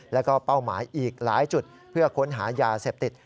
แล้วก็เป้าหมายอีกหลายจุดเพื่อค้นหายาเสพติด